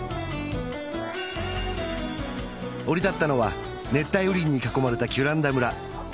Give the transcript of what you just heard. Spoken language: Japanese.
降り立ったのは熱帯雨林に囲まれたキュランダ村